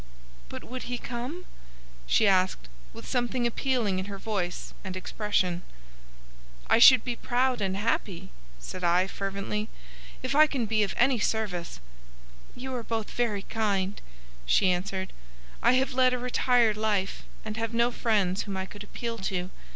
"But would he come?" she asked, with something appealing in her voice and expression. "I should be proud and happy," said I, fervently, "if I can be of any service." "You are both very kind," she answered. "I have led a retired life, and have no friends whom I could appeal to.